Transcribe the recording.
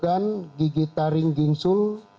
kita temukan gigi taring gingsul